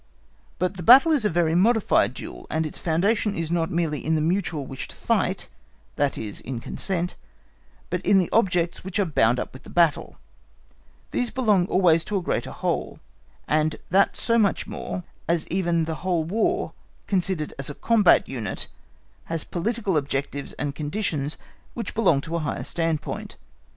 But the battle is a very modified duel, and its foundation is not merely in the mutual wish to fight, that is in consent, but in the objects which are bound up with the battle: these belong always to a greater whole, and that so much the more, as even the whole war considered as a "combat unit" has political objects and conditions which belong to a higher standpoint.